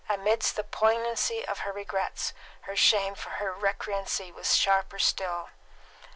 Amidst the poignancy of her regrets, her shame for her recreancy was sharper still.